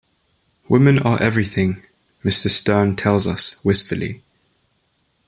"Women are everything," Mr. Stern tells us, wistfully.